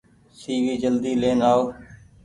سي وي جلدي لين آئو۔